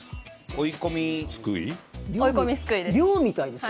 追い込みすくいです。